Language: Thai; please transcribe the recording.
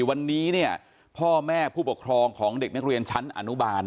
วันนี้เนี่ยพ่อแม่ผู้ปกครองของเด็กนักเรียนชั้นอนุบาล